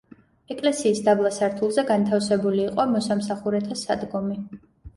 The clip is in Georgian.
ეკლესიის დაბლა სართულზე განთავსებული იყო მოსამსახურეთა სადგომი.